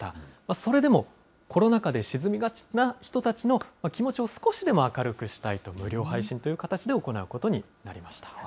それでもコロナ禍で沈みがちな人たちの気持ちを少しでも明るくしたいと、無料配信という形で行うことになりました。